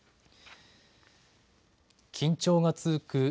緊張が続く